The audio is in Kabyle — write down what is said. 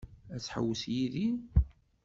Ad tḥewwes yid-i?